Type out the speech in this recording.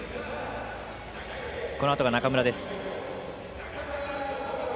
このあとが中村です。